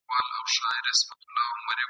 سترګي له نړۍ څخه پټي کړې ..